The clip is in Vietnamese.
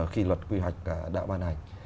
khi luật quy hoạch đã ban hành